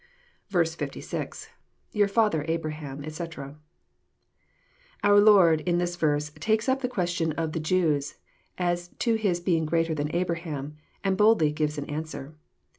56.— [Tbttr father Abrahamj etc."] Our Lord, in this verse, takes up the question of the Jews, as to His being greater than Abra ham, and boldly gives an answer.